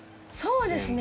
そうですね。